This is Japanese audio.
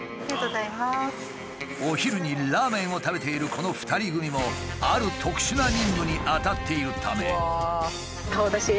お昼にラーメンを食べているこの２人組もある特殊な任務に当たっているため。